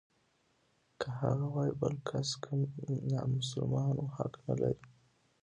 هغه وايي بل کس که نامسلمان و حق نلري.